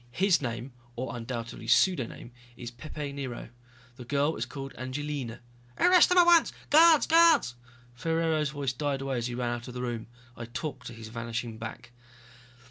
His name, or undoubtedly pseudoname, is Pepe Nero. The girl is called Angelina...." "Arrest them at once! Guards ... guards " Ferraro's voice died away as he ran out of the room. I talked to his vanishing back.